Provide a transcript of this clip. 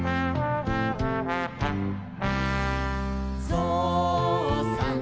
「ぞうさん